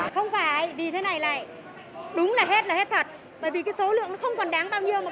không phải vì thế này này đúng là hết là hết thật bởi vì cái số lượng nó không còn đáng bao nhiêu